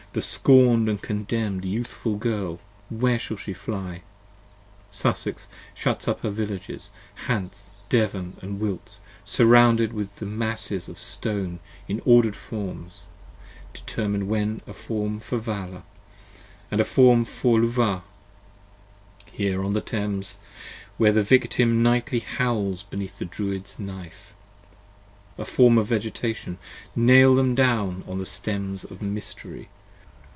The scorn'd and contemn'd youthful girl, where shall she fly? Sussex shuts up her Villages. Hants, Devon & Wilts, 10 Surrounded with masses of stone in order'd forms, determine then A form for Vala and a form for Luvah, here on the Thames, Where the Victim nightly howls beneath the Druid's knife: A Form of Vegetation, nail them down on the stems of Mystery.